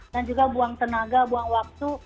dan juga buang tenaga buang waktu